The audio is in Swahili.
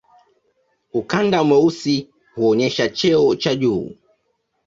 Ukanda mweusi huonyesha cheo cha juu.